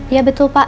ya betul pak